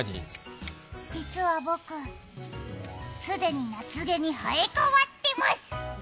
実は僕、既に夏毛に生え替わってます。